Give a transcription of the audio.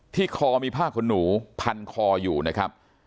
คอมีผ้าขนหนูพันคออยู่นะครับ